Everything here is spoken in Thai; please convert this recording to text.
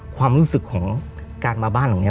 ความรู้สึกของการมาบ้านหลังนี้